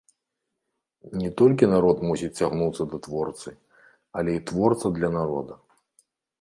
Не толькі народ мусіць цягнуцца да творцы, але і творца для народа.